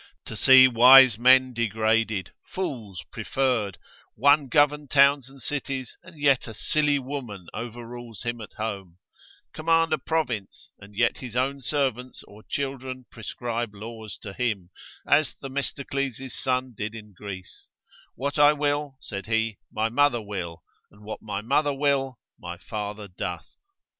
To see wise men degraded, fools preferred, one govern towns and cities, and yet a silly woman overrules him at home; Command a province, and yet his own servants or children prescribe laws to him, as Themistocles' son did in Greece; What I will (said he) my mother will, and what my mother will, my father doth.